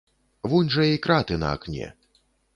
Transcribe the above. Вунь жа і краты на акне.